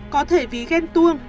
có thể vì ghen tuông